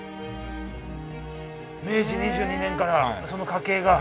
明治２２年からその家系が。